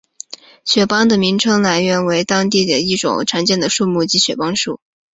雪邦的名称来源为当地一种常见的树木即雪邦树。